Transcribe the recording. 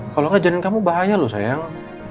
kalau gak jalanin kamu bahaya loh sayang